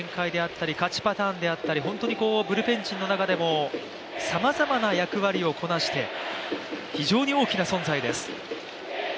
ビハインドの展開であったり勝ちパターンであったり、本当にブルペン陣の中でもさまざまな役割を果たして非常に大きな存在です。